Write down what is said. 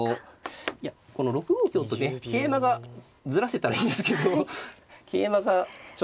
いやこの６五香とね桂馬がずらせたらいいんですけど桂馬がちょっと。